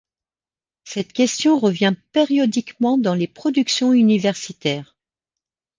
Cette question revient périodiquement dans les productions universitaires.